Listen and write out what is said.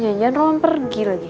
jangan jangan ruang pergi lagi